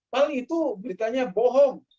paling itu beritanya bohong